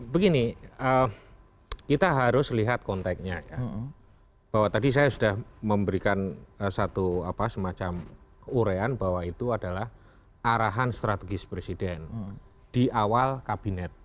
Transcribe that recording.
begini kita harus lihat konteknya ya bahwa tadi saya sudah memberikan satu semacam urean bahwa itu adalah arahan strategis presiden di awal kabinet